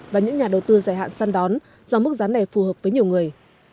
và những nhà đầu tư dài hạn săn đón do mức giá này phù hợp với nhiều người